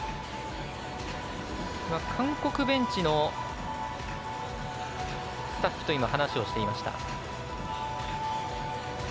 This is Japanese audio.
韓国ベンチのスタッフと話をしていました。